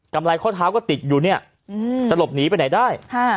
ไรข้อเท้าก็ติดอยู่เนี่ยจะหลบหนีไปไหนได้